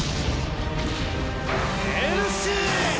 エルシー！